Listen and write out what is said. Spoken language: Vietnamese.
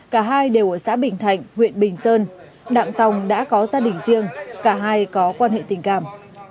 cả hai đều ở xã bình thạnh huyện bình sơn đặng tòng đã có gia đình riêng cả hai có quan hệ tình cảm